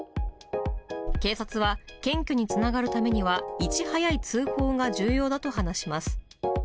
警察は謙虚につながるためには、いち早い通報が重要だと話します。